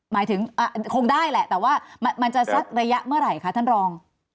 หมายถึงคงได้แหละแต่ว่ามันจะสักระยะเมื่อไหร่คะท่านรอง